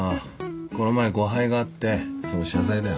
この前誤配があってその謝罪だよ。